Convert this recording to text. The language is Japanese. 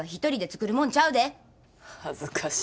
恥ずかし。